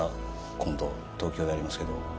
今度、東京でありますけど。